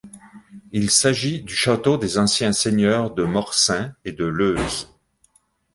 Il s'agit du château des anciens seigneurs de Morsains et de Leuze.